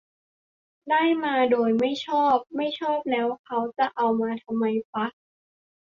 "ได้มาโดยไม่ชอบ" ไม่ชอบแล้วเค้าจะเอามาทำไมฟะ